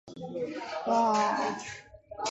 わーーーーーーーー